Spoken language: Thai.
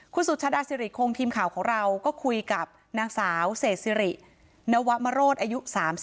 คุณสุชาดาสิริคงทีมข่าวของเราก็คุยกับนางสาวเศษสิรินวมโรศอายุ๓๒